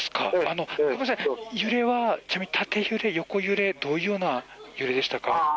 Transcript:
揺れはちなみに縦揺れ、横揺れどういうような揺れでしたか？